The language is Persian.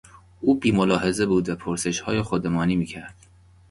او بیملاحظه بود و پرسشهای خودمانی میکرد.